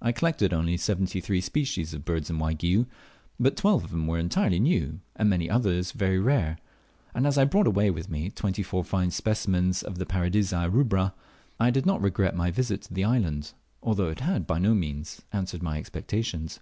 I collected only seventy three species of birds in Waigiou, but twelve of them were entirely new, and many others very rare; and as I brought away with me twenty four fine specimens of the Paradisea rubra, I did not regret my visit to the island, although it had by no means answered my expectations.